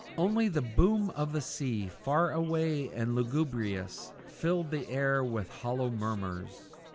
Only the boom of the sea, far away and lugubrious, filled the air with hollow murmurs.